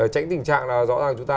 tránh tình trạng là rõ ràng chúng ta